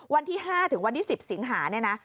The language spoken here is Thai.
วันที่๕ถึงวันที่๑๐สิงหา